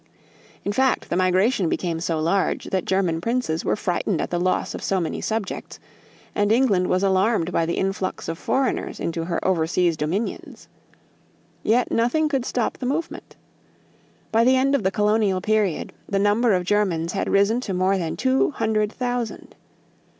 In fact the migration became so large that German princes were frightened at the loss of so many subjects and England was alarmed by the influx of foreigners into her overseas dominions. Yet nothing could stop the movement. By the end of the colonial period, the number of Germans had risen to more than two hundred thousand.